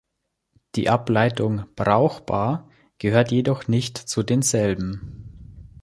Die Ableitung "brauchbar" gehört jedoch nicht zu denselben.